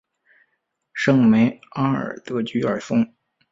圣梅阿尔德居尔松。